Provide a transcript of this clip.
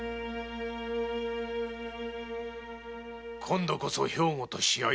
今度こそ兵庫と試合を？